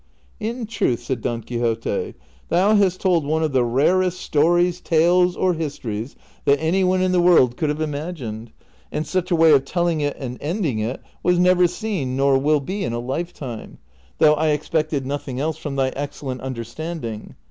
'' In truth," said Don Quixote, " thou hast told one of the rarest stories, tales, or histories, that any one in the world could have imagined, and such a way of telling it and ending it was never seen nor will be in a lifetime ; though I expected CHAPTER XX. 141 nothing else from thy excellent nnderstanding.